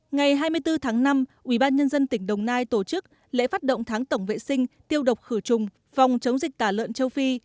ngày hai mươi bốn tháng năm ubnd tỉnh đồng nai tổ chức lễ phát động tháng tổng vệ sinh tiêu độc khử trùng phòng chống dịch tả lợn châu phi